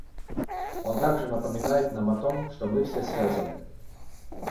Он также напоминает нам о том, что мы все связаны.